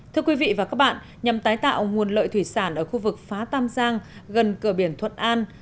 thưa quý vị và các bạn nhằm tái tạo nguồn lợi thủy sản ở khu vực phá tam giang gần cửa biển thuận an